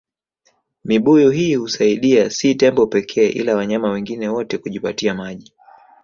Mibuyu hii husaidia si tembo pekee ila wanyama wengine wote kujipatia maji